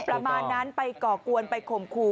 ประมาณนั้นไปก่อกวนไปข่มขู่